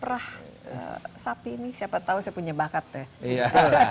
perah sapi ini siapa tahu saya punya bakat ya